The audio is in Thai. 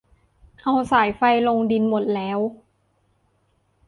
เอาสายไฟลงดินหมดแล้ว